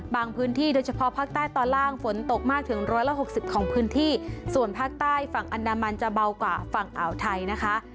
พื้นที่โดยเฉพาะภาคใต้ตอนล่างฝนตกมากถึงร้อยละหกสิบของพื้นที่ส่วนภาคใต้ฝั่งอันดามันจะเบากว่าฝั่งอ่าวไทยนะคะ